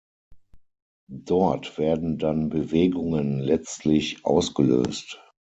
Dort werden dann Bewegungen letztlich ausgelöst.